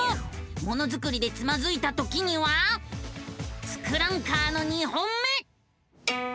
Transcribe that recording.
ものづくりでつまずいたときには「ツクランカー」の２本目！